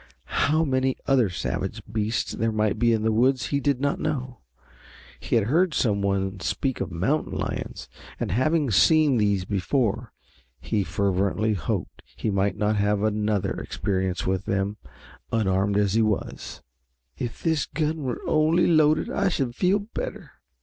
How many other savage beasts there might be in the woods he did not know. He had heard some one speak of mountain lions, and having seen these before, he fervently hoped he might not have another experience with them, unarmed as he was. "If this gun only were loaded, I should feel better."